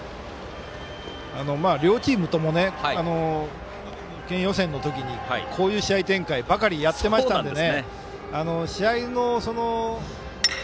両チームとも県予選の時にこういう試合展開ばかりやっていましたからね。